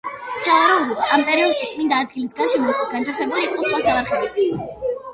სავარაუდოდ ამ პერიოდში წმინდა ადგილის გარშემო უკვე განთავსებული იყო სხვა სამარხებიც.